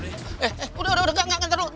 eh udah udah nggak ntar